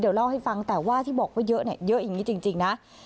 เดี๋ยวเล่าให้ฟังแต่ว่าที่บอกว่าเยอะเนี่ยเยอะอย่างนี้จริงนะ